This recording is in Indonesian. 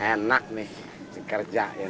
enak nih dikerjain